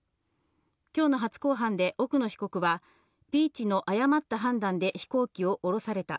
今日の初公判で奥野被告はピーチの誤った判断で飛行機を降ろされた。